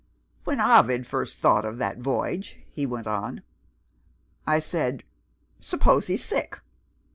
"When Ovid first thought of that voyage," he went on, "I said, Suppose he's sick?